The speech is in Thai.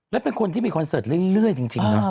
แล้วเป็นคนที่มีคอนเสิร์ตเรื่อยจริงนะ